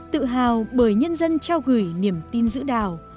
tự hào bởi nhân dân trao gửi niềm tin giữa đảo